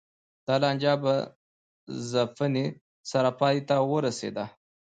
دا لانجه په ځپنې سره پای ته ورسېده.